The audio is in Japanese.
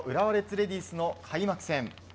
レディースの開幕戦。